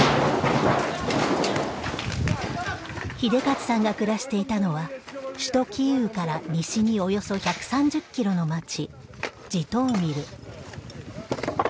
英捷さんが暮らしていたのは首都キーウから西におよそ１３０キロの町ジトーミル。